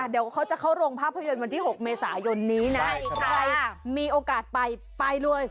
เดี๋ยวเขาจะเข้าโรงภาพยนตร์วันที่๖เมษายนนี้นะใครมีโอกาสไปไปเลย